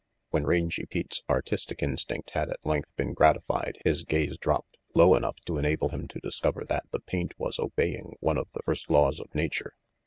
When Rangy Pete's artistic instinct had at length been gratified, his gaze dropped low enough to enable him to discover that the paint was obeying one of the first laws of nature.